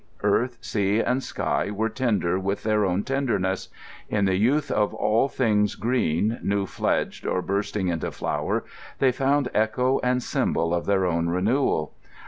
Earth, sea, and sky were tender with their own tenderness; in the youth of all things green, new fledged, or bursting into flower, they found echo and symbol of their own renewal.